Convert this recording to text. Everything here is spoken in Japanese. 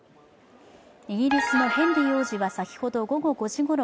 イギリスのヘンリー王子は先ほど午後５時ごろ、